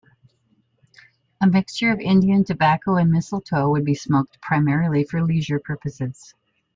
A mixture of Indian tobacco and mistletoe would be smoked primarily for leisure purposes.